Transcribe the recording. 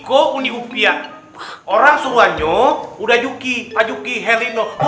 orang suruhannya udah yuki ajuki helino